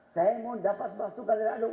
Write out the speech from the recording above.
saya mau dapat masuk ke dalam